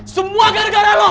semua gara gara lo